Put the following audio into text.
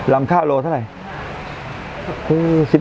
ลำข้าวโลเท่าไหร่